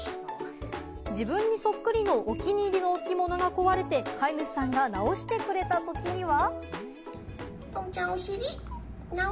自分にそっくりのお気に入りの置物が壊れて、飼い主さんが直してくれたときには。